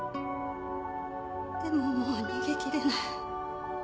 でももう逃げ切れない